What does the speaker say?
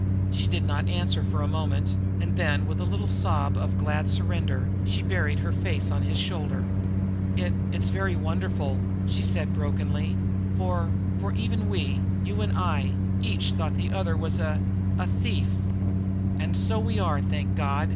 She did not answer for a moment; and then with a little sob of glad surrender she buried her face on his shoulder. "It it is very wonderful," she said brokenly, "for for even we, you and I, each thought the other a a thief." "And so we were, thank God!"